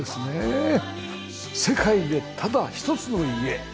世界でただ一つの家！